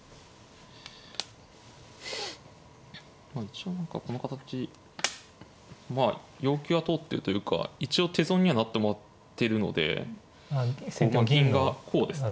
一応何かこの形まあ要求は通ってるというか一応手損にはなってもらってるので銀がこうです。